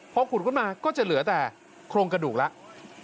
พอขุดขึ้นมาก็จะเหลือแต่โครงกระดูกแล้ว